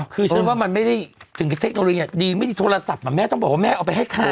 คือฉันว่ามันไม่ได้ถึงเทคโนโลยีดีไม่ได้โทรศัพท์แม่ต้องบอกว่าแม่เอาไปให้ใคร